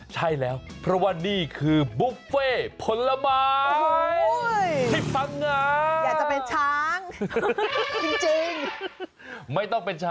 ใช่แล้วเพราะว่านี่คือบุฟเฟ่ผลไม้